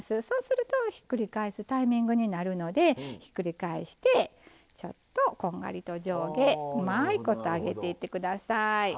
そうするとひっくり返すタイミングになるのでひっくり返してちょっとこんがりと上下うまいこと揚げていって下さい。